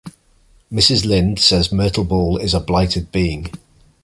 Mrs. Lynde says Myrtle Bell is a blighted being.